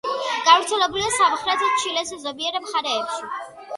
გავრცელებულია სამხრეთ ჩილეს ზომიერ მხარეებში.